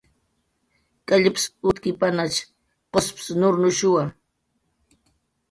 Kallps utkipanch gusp nurnuchwa